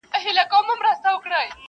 دغه ګناه مي لویه خدایه په بخښلو ارزي,